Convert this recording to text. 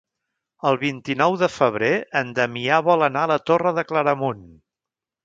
El vint-i-nou de febrer en Damià vol anar a la Torre de Claramunt.